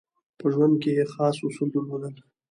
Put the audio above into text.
په ژوند کې یې خاص اصول درلودل.